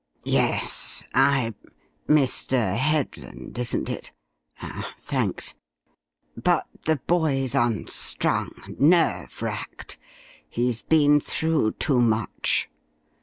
_" "Yes I, Mr. er Headland, isn't it? Ah, thanks. But the boy's unstrung, nerve racked. He's been through too much.